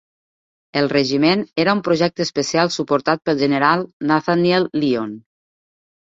El regiment era un projecte especial suportat pel general Nathaniel Lyon.